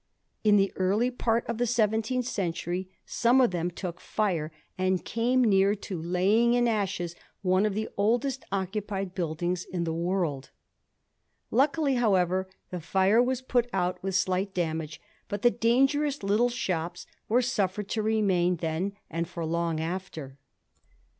In the early part of the seventeenth century some of them took fire and came near to laying in ashes one of the oldest* occupied buildings in the worlds Luckily, however, the fire was put out with slight damage, but the dangerous little shops were sufiered to remain then and for long after.